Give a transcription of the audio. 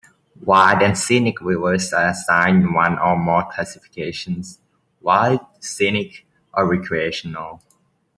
Wild and scenic rivers are assigned one or more classifications: wild, scenic, or recreational.